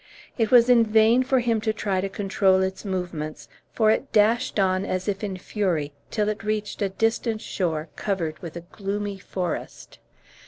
It was in vain for him to try to control its movements, for it dashed on as if in fury, till it reached a distant shore covered with a gloomy forest.